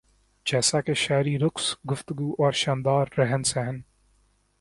جیسا کہ شاعری رقص گفتگو اور شاندار رہن سہن